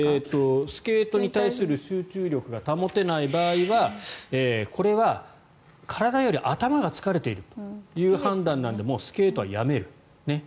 スケートに対する集中力が保てない場合はこれは体より頭が疲れているという判断なのでもうスケートはやめる。